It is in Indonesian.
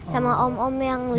sama om om yang lucu lucu